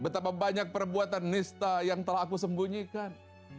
betapa banyak perbuatan nista yang telah aku sembunyikan